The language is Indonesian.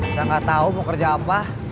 saya gak tau mau kerja apa